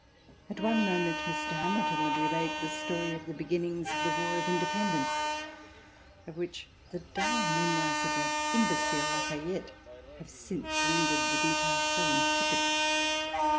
At one moment, A VISIT TO NEW YORK Mr. Hamilton would relate the story of the beginnings of the War of Independence, of which the dull memoirs of that imbecile, Lafayette, have since rendered the details so insipid.